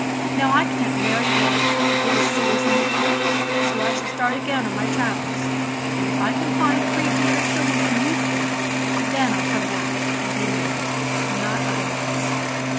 Now I can't marry one of the three biggest sillies in the world. So I shall start again on my travels, and if I can find three bigger sillies than you three, then I'm come back and be married — not otherwise."